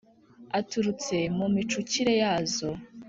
aturutse mu micukire ya zo